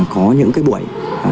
có những cái buổi